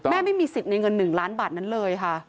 ไม่มีสิทธิ์ในเงิน๑ล้านบาทนั้นเลยค่ะ